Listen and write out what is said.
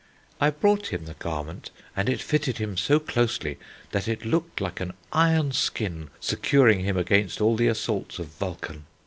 "I brought him the garment, and it fitted him so closely, that it looked like an iron skin securing him against all the assaults of Vulcan.